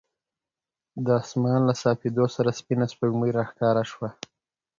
د اسمان له صافېدو سره سپینه سپوږمۍ راښکاره شوه.